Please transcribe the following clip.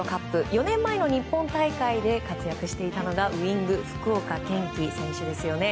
４年前の日本大会で活躍していたのがウィングの福岡堅樹選手ですよね。